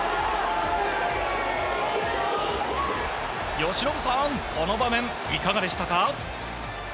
由伸さん、この場面いかがでしたか。